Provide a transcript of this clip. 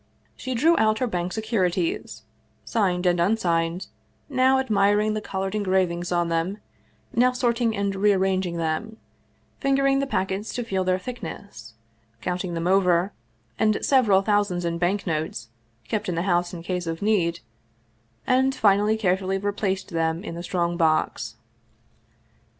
She drew out her bank securities, signed and unsigned, now admiring the colored engravings on them, now sorting and rearranging them, fingering the packets to feel their thickness, counting them over, and several thousands in banknotes, kept in the house in case of need, and finally carefully replaced them in the strong box.